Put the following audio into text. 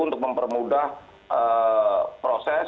untuk mempermudah proses